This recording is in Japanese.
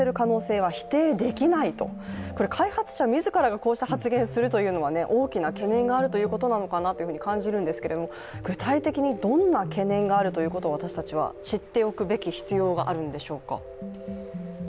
開発者自らがこうした発言をするというのは大きな懸念があることなのかなと感じるんですけれども、具体的にどんな懸念があるということを私たちは知っておくべき必要があるんでしょうか？